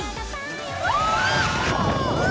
うわ！